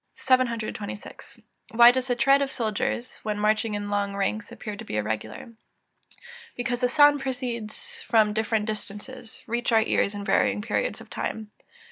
] 726. Why does the tread of soldiers, when marching in long ranks, appear to be irregular? Because the sounds proceeding from different distances, reach our ears in varying periods of time.